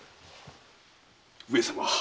上様